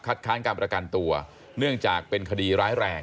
ค้านการประกันตัวเนื่องจากเป็นคดีร้ายแรง